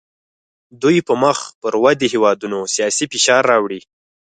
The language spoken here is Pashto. دوی په مخ پر ودې هیوادونو سیاسي فشار راوړي